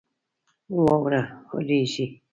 واوره رېږي.